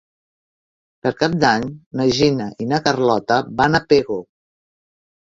Per Cap d'Any na Gina i na Carlota van a Pego.